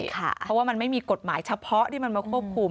เพราะว่ามันไม่มีกฎหมายเฉพาะที่มันมาควบคุม